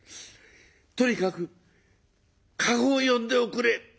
とにかく駕籠を呼んでおくれ」。